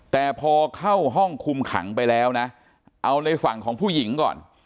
แต่พอเข้าห้องคุมขังไปแล้วนะเอาในฝั่งของผู้หญิงก่อน